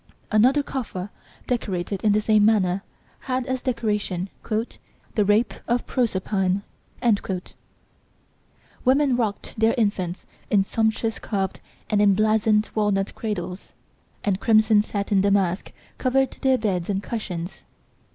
Another coffer decorated in the same manner had as decoration "The Rape of Proserpine." Women rocked their infants in sumptuous carved and emblazoned walnut cradles, and crimson satin damask covered their beds and cushions.